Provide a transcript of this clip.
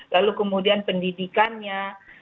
lalu kemudian pendidikannya